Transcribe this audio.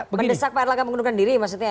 mendesak pak erlaga mengundurkan diri maksudnya